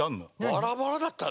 バラバラだったね。